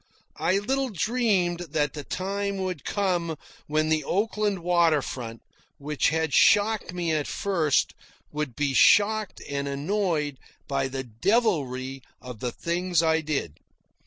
I little dreamed that the time would come when the Oakland water front, which had shocked me at first would be shocked and annoyed by the devilry of the things I did.